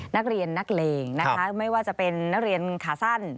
นักเรียนนักเลงนะคะไม่ว่าจะเป็นนักเรียนขาสั้น